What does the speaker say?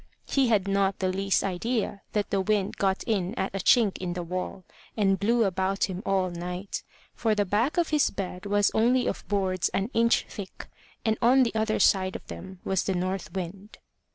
He had not the least idea that the wind got in at a chink in the wall, and blew about him all night. For the back of his bed was only of boards an inch thick, and on the other side of them was the north wind.